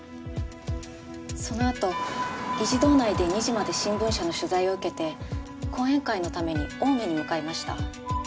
そのあと議事堂内で２時まで新聞社の取材を受けて講演会のために青梅に向かいました。